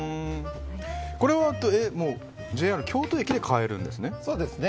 これはＪＲ京都駅で買えるんですね？